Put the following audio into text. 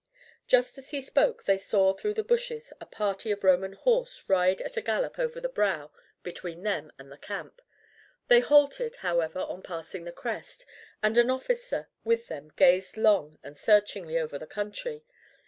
Just as he spoke they saw through the bushes a party of Roman horse ride at a gallop over the brow between them and the camp. They halted, however, on passing the crest, and an officer with them gazed long and searchingly over the country.